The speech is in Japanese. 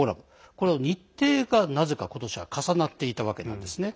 この日程が、なぜか今年は重なっていたわけなんですね。